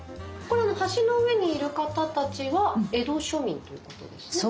橋の上にいる方たちは江戸庶民ということですよね？